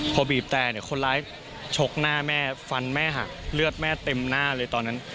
พอบีบแต่เนี่ยคนร้ายชกหน้าแม่ฟันแม่หักเลือดแม่เต็มหน้าเลยตอนนั้น